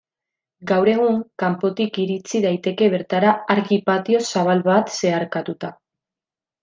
Gaur egun, kanpotik irits daiteke bertara argi-patio zabal bat zeharkatuta.